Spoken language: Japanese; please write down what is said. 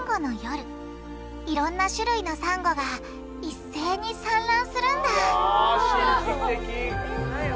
いろんな種類のサンゴが一斉に産卵するんだうわ